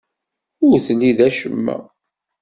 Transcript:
Ur telli d acemma.